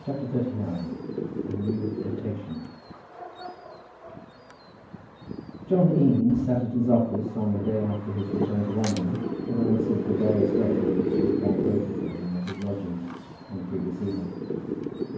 CHAPTER XXXIX. A NEW FLIRTATION. John Eames sat at his office on the day after his return to London, and answered the various letters which he had found waiting for him at his lodgings on the previous evening.